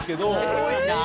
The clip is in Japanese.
すごいなあ。